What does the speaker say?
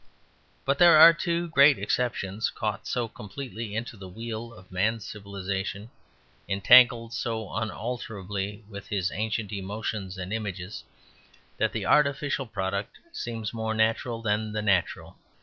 But there are two great exceptions; caught so completely into the wheel of man's civilization, entangled so unalterably with his ancient emotions and images, that the artificial product seems more natural than the natural.